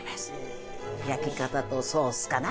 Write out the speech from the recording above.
焼き方とソースかな？